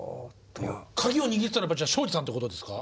カギを握ってたのは昭次さんってことですか？